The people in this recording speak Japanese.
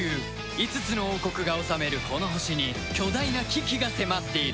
５つの王国が治めるこの星に巨大な危機が迫っている